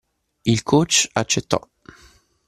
Il coach accettò.